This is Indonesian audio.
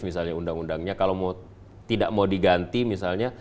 misalnya undang undangnya kalau mau tidak mau diganti misalnya